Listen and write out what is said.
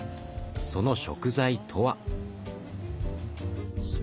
その食材とは？